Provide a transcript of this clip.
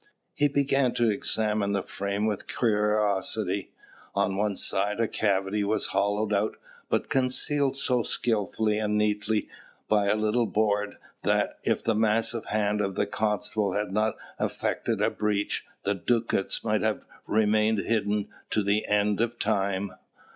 He began to examine the frame with curiosity. On one side a cavity was hollowed out, but concealed so skilfully and neatly by a little board, that, if the massive hand of the constable had not effected a breach, the ducats might have remained hidden to the end of time.